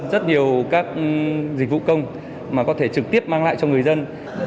rất nhiều các dịch vụ công mà có thể trực tiếp mang lại cho người dân